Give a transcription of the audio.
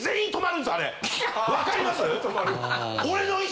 わかります？